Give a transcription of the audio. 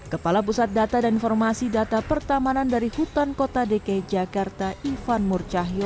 kepala pusat data dan informasi data pertamanan dari hutan kota dki jakarta ivan murcahyo